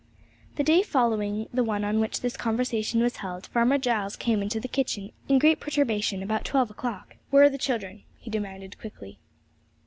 The day following the one on which this conversation was held, Farmer Giles came into the kitchen in great perturbation about twelve o'clock. 'Where are the children?' he demanded quickly.